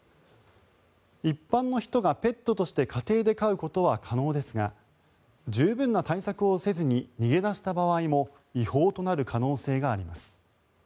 一般の人がペットとして家庭で飼うことは可能ですが十分な対策をせずに逃げ出した場合も違法となる可能性があります。